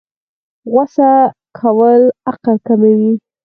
غوسه کول عقل کموي